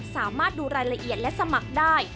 สามารถดูรายละเอียดและสมัครได้